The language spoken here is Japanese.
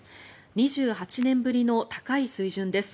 ２８年ぶりの高い水準です。